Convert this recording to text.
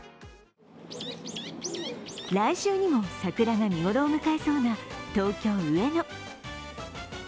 来週にも桜が見頃を迎えそうな東京・上野。